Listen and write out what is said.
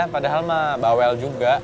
padahal mah bawel juga